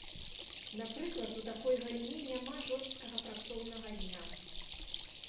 Напрыклад, у такой галіне няма жорсткага працоўнага дня.